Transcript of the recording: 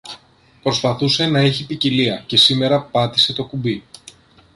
Προσπαθούσε να έχει ποικιλία και σήμερα πάτησε το κουμπί